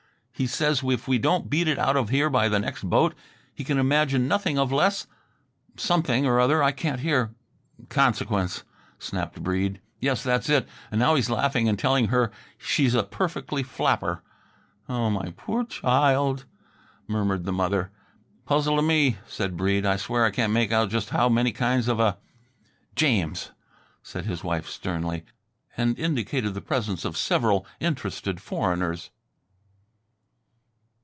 He says if we don't beat it out of here by the next boat he can imagine nothing of less something or other I can't hear "" consequence," snapped Breede. "Yes, that's it; and now he's laughing and telling her she's a perfectly flapper." "Oh, my poor child," murmured the mother. "Puzzle t' me," said Breede. "I swear I can't make out just how many kinds of a " "James!" said his wife sternly, and indicated the presence of several interested foreigners.